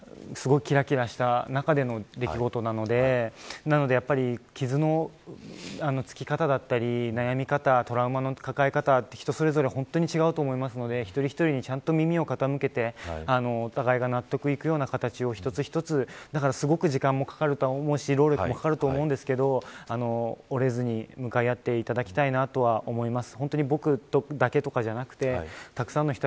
すごいきらきらした中での出来事なのでなので、傷のつき方だったり悩み方トラウマの抱え方って人それぞれ違うと思うので一人一人にちゃんと耳を傾けてお互いが納得いくような形を一つ一つだから時間も労力もかかると思うんですけど折れずに向かい合っていただきたいなと思います。